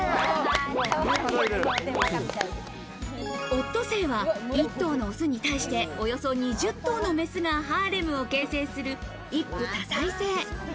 オットセイは１頭のオスに対して、およそ２０頭のメスがハーレムを形成する一夫多妻制。